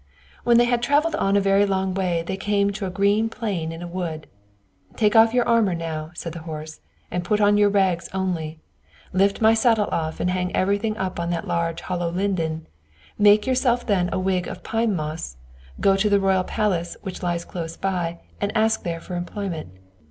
When they had traveled on a very long way they came to a green plain in a wood. "Take off your armor now," said the horse, "and put on your rags only; lift my saddle off and hang everything up in that large hollow linden; make yourself then a wig of pine moss, go to the royal palace which lies close by, and there ask for employment.